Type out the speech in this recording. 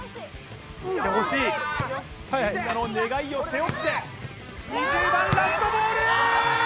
・惜しいみんなの願いを背負って２０番ラストボール！